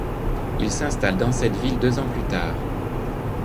Il s’installe dans cette ville deux ans plus tard.